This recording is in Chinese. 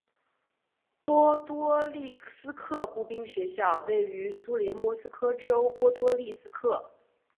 波多利斯克步兵学校位于苏联莫斯科州波多利斯克。